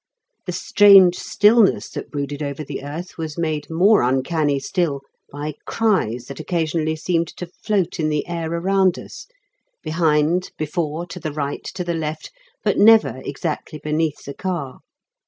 The strange stillness that brooded over the earth was made more uncanny still by cries that occasionally seemed to float in the air around us, behind, before, to the right, to the left, but never exactly beneath the car.